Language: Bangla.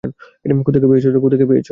কোত্থেকে পেয়েছ এটা?